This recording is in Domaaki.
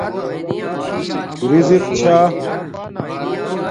رزق چھݳ